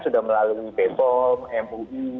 sudah melalui bepom mui